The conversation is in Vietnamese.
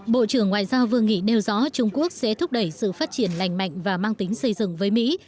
bộ trưởng ngoại giao vương nghị nêu rõ trung quốc sẽ thúc đẩy sự phát triển lành mạnh và mang tính xây dựng với mỹ